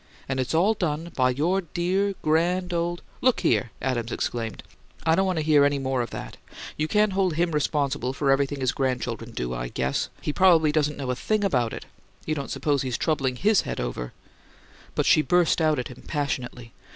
And it's all done by your dear, grand old " "Look here!" Adams exclaimed. "I don't want to hear any more of that! You can't hold him responsible for everything his grandchildren do, I guess! He probably doesn't know a thing about it. You don't suppose he's troubling HIS head over " But she burst out at him passionately.